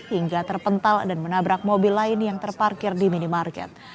hingga terpental dan menabrak mobil lain yang terparkir di minimarket